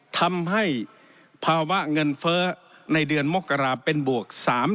ทำให้ภาวะเงินเฟ้อในเดือนมกราเป็นบวก๓๐